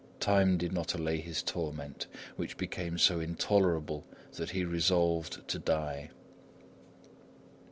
Time did not allay his torment, which became so intolerable that he resolved to die.